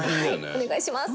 「お願いします」